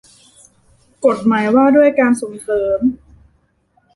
กฎหมายว่าด้วยการส่งเสริม